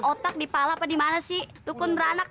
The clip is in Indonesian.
otak di pala padimana sih dukun beranak